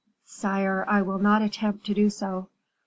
"Sire, I will not attempt to do so.